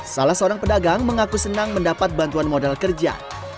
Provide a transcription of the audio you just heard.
salah seorang pedagang mengaku senang mendapat bantuan modal kerja